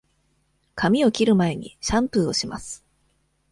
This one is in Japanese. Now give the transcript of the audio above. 髪を切る前にシャンプーをします。